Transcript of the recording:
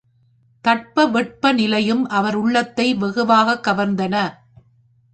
தட்ப வெப்ப நிலையும் அவர் உள்ளத்தை வெகுவாகக் கவர்ந்தன.